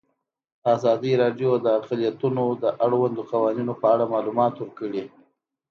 ازادي راډیو د اقلیتونه د اړونده قوانینو په اړه معلومات ورکړي.